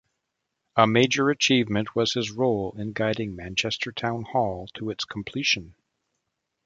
A major achievement was his role in guiding Manchester Town Hall to its completion.